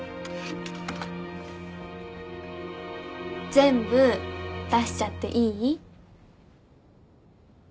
全部出しちゃっていい？